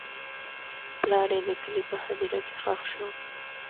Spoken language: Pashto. پلار یې د کلي په هدیره کې ښخ شو.